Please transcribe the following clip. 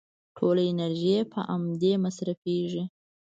ټوله انرژي يې په امدې مصرفېږي.